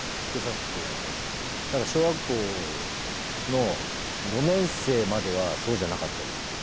小学校の５年生まではそうじゃなかったです。